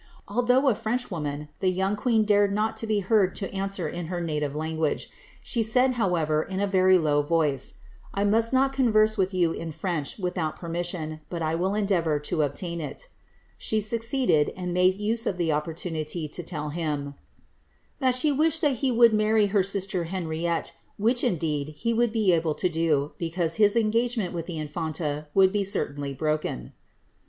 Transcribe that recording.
Although a Freoch woman, the young queen dared not be heard to answer in her natiTe language. She said, however, in a very low voice, ^^ 1 must not cooverse with you in French without permission, but I will endeavour to obtain it" She succeeded, and made use of the opportunity to tell him, ^ That she wished he would marry her sister Henriette, which, iodeed, he would be able to do, because his engagement with the infanta would be certainly broken."